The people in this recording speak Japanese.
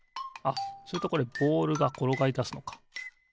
あっするとこれボールがころがりだすのか。